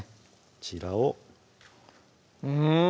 こちらをうん！